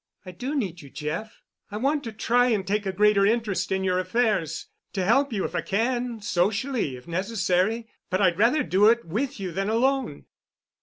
"I do need you, Jeff. I want to try and take a greater interest in your affairs—to help you if I can, socially if necessary, but I'd rather do it with you than alone."